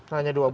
hanya dua bulan